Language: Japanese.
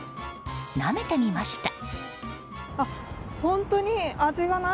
なめてみました。